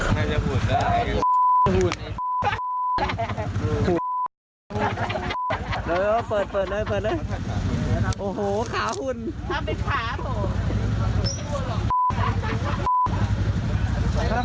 แค่จะหุ่นได้